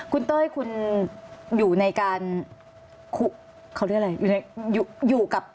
คุณเต้ยหรือยู่ในการนะเขาเรียกอะไร